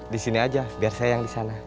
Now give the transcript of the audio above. disini aja biar saya yang disana